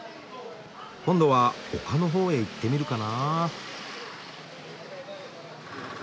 今度は丘のほうへ行ってみるかな。